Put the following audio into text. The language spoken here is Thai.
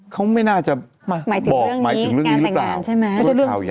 เค้าไม่น่าจะบอกหมายถึงเรื่องนี้หรือเปล่า